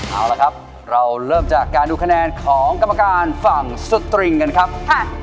เอาละครับเราเริ่มจากการดูคะแนนของกรรมการฝั่งสตริงกันครับ